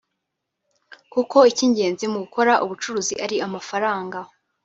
kuko icy’ingenzi mu gukora ubucuruzi ari amafaranga